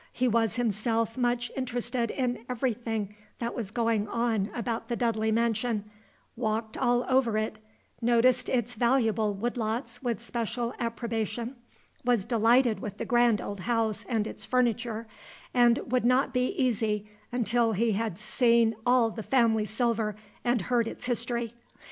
He was himself much interested in everything that was going on about the Dudley mansion, walked all over it, noticed its valuable wood lots with special approbation, was delighted with the grand old house and its furniture, and would not be easy until he had seen all the family silver and heard its history.